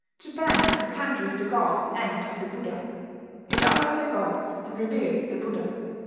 "Japan is the country of the gods and of the Buddha: it honours the gods, and reveres the Buddha....